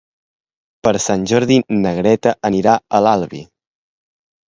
Per Sant Jordi na Greta anirà a l'Albi.